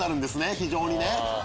非常にね。